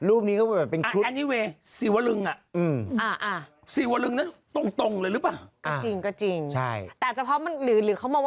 อันนี้เว่สีวรึงอ่ะ